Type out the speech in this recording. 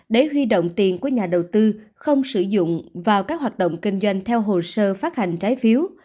để huy động tiền của nhà đầu tư không sử dụng vào các hoạt động kinh doanh theo hồ sơ phát hành trái phiếu